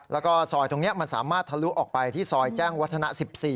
แล้วก็ซอยตรงนี้มันสามารถทะลุออกไปที่ซอยแจ้งวัฒนะ๑๔